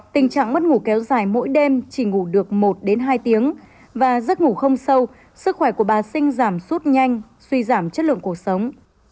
tình trạng mất ngủ kéo dài mỗi đêm chỉ ngủ được một đến hai tiếng và giấc ngủ không sâu sức khỏe của bà sinh giảm sút nhanh suy giảm chất lượng cuộc sống